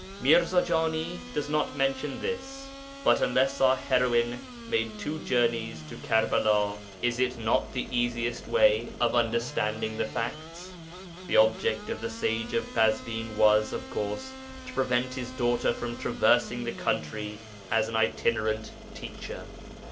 Mirza Jani does not mention this, but unless our heroine made two journeys to Karbala, is it not the easiest way of understanding the facts? The object of the 'sage of Kazwin' was, of course, to prevent his daughter from traversing the country as an itinerant teacher.